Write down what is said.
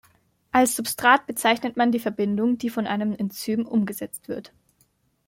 Als Substrat bezeichnet man die Verbindung, die von einem Enzym umgesetzt wird.